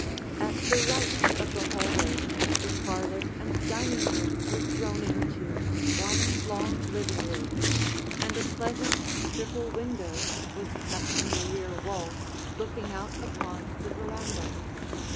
[Illustration: The Dining Room] At the right of the hallway the parlor and dining room were thrown into one long living room, and a pleasant triple window was cut in the rear wall looking out upon the veranda.